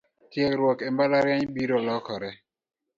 Tiegruok embalariany biro lokore